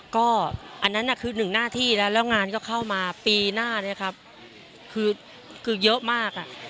ก็อันนั้นน่ะคือหนึ่งหน้าที่แล้วแล้วงานก็เข้ามาปีหน้าเนี่ยครับคือเยอะมากอ่ะ